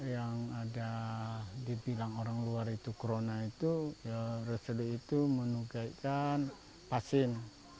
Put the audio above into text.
yang ada dibilang orang luar itu corona itu ya resoli itu menugaikan pasien